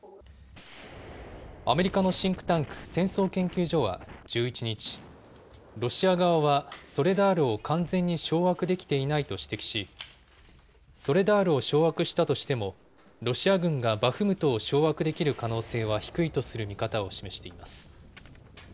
アメリカのシンクタンク、戦争研究所は１１日、ロシア側はソレダールを完全に掌握できていないと指摘し、ソレダールを掌握したとしても、ロシア軍がバフムトを掌握できる可能性は低いとする見方を示しています。